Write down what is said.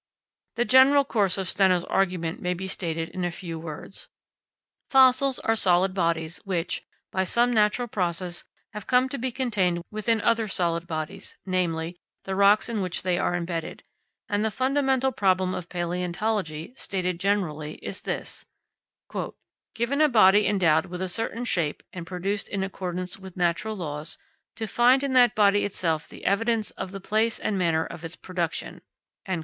The general course of Steno's argument may be stated in a few words. Fossils are solid bodies which, by some natural process, have come to be contained within other solid bodies, namely, the rocks in which they are embedded; and the fundamental problem of palaeontology, stated generally, is this: "Given a body endowed with a certain shape and produced in accordance with natural laws, to find in that body itself the evidence of the place and manner of its production."